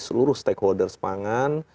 seluruh stakeholders pangan